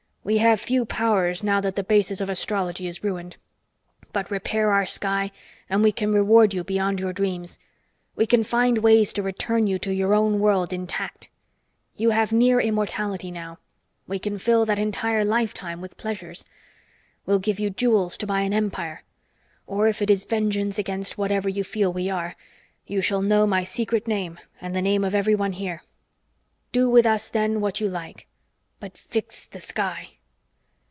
We have few powers now that the basis of astrology is ruined. But repair our sky and we can reward you beyond your dreams. We can find ways to return you to your own world intact. You have near immortality now. We can fill that entire lifetime with pleasures. We'll give you jewels to buy an empire. Or if it is vengeance against whatever you feel we are, you shall know my secret name and the name of everyone here. Do with us then what you like. _But fix the sky!